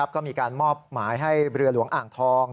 ก็มีการมอบหมายให้เรือหลวงอ่างทอง